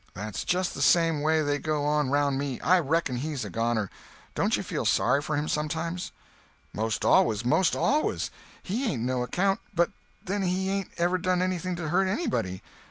"That's just the same way they go on round me. I reckon he's a goner. Don't you feel sorry for him, sometimes?" "Most always—most always. He ain't no account; but then he hain't ever done anything to hurt anybody.